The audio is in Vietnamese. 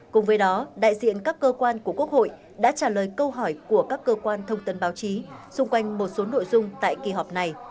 cùng với đó đại diện các cơ quan của quốc hội đã trả lời câu hỏi của các cơ quan thông tấn báo chí xung quanh một số nội dung tại kỳ họp này